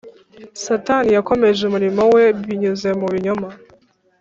Satani yakomeje umurimo we binyuze mu binyoma